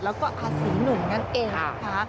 แล้วก็ภาษีหนุ่มนั่นเองนะคะ